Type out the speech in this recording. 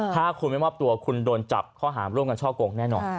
ถ้าคุณไม่มอบตัวคุณโดนจับข้อหามร่วมกันช่อกงแน่นอน